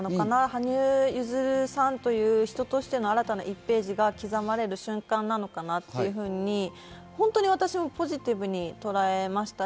羽生結弦さんという人としての新たな１ページが刻まれる瞬間なのかなと、私もポジティブに捉えました。